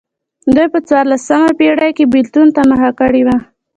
دوی په څوارلسمه پېړۍ کې بېلتون ته مخه کړې وه.